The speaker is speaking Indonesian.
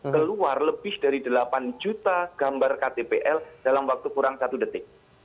keluar lebih dari delapan juta gambar ktpl dalam waktu kurang satu detik